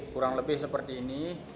kurang lebih seperti ini